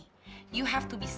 kamu harus bijak